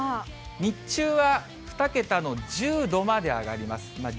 日中は２桁の１０度まで上がります。